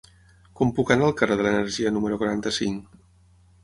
Com puc anar al carrer de l'Energia número quaranta-cinc?